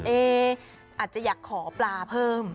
อาจจะอยากขอปลาเพิ่ม